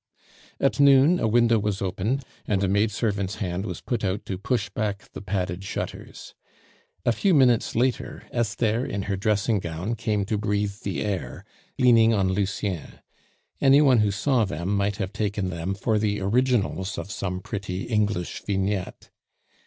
At noon a window was opened, and a maid servant's hand was put out to push back the padded shutters. A few minutes later, Esther, in her dressing gown, came to breathe the air, leaning on Lucien; any one who saw them might have taken them for the originals of some pretty English vignette.